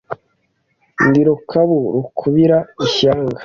Ndi Rukabu rukubira ishyanga,